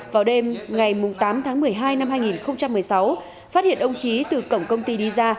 vào đêm ngày tám tháng một mươi hai năm hai nghìn một mươi sáu phát hiện ông trí từ cổng công ty đi ra